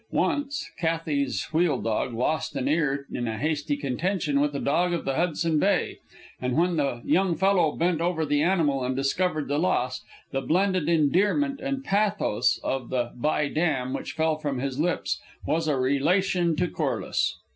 Once, Carthey's wheel dog lost an ear in a hasty contention with a dog of the Hudson Bay, and when the young fellow bent over the animal and discovered the loss, the blended endearment and pathos of the "by damn" which fell from his lips was a relation to Corliss.